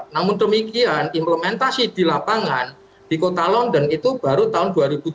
namun demikian implementasi di lapangan di kota london itu baru tahun dua ribu tujuh belas